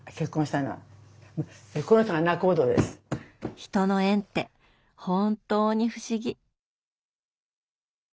人の縁って本当に不思議。